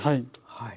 はい。